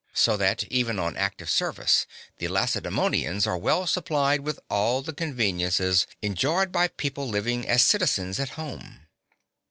So that, even on active service, the Lacedaemonians are well supplied with all the conveniences enjoyed by people living as citizens at home.